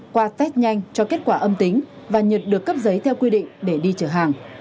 qua test nhanh cho kết quả âm tính và nhật được cấp giấy theo quy định để đi chở hàng